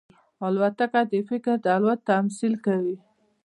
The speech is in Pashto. الوتکه د فکر د الوت تمثیل کوي.